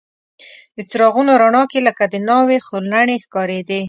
د څراغونو رڼا کې لکه د ناوې خورلڼې ښکارېدې.